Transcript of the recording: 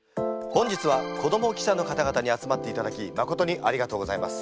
本日は子ども記者の方々に集まっていただきまことにありがとうございます。